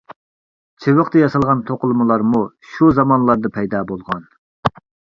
چىۋىقتا ياسالغان توقۇلمىلارمۇ شۇ زامانلاردا پەيدا بولغان.